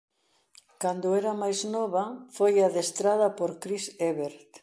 Cando era máis nova foi adestrada por Chris Evert.